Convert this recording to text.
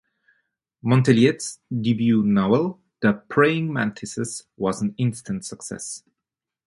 Monteilhet’s debut novel "The Praying Mantises" was an instant success.